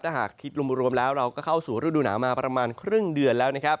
ถ้าหากคิดรวมแล้วเราก็เข้าสู่ฤดูหนาวมาประมาณครึ่งเดือนแล้วนะครับ